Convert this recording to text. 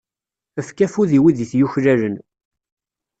Efk afud i wid i t-yuklalen.